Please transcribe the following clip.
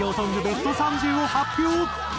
ベスト３０を発表。